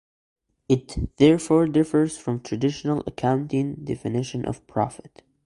It therefore differs from traditional accounting definitions of profit.